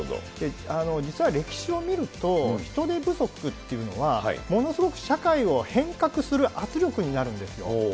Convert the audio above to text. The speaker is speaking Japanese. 実は歴史を見ると、人手不足っていうのは、ものすごく社会を変革する圧力になるんですよ。